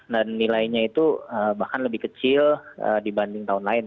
dan nilainya itu bahkan lebih kecil dibanding tahun lain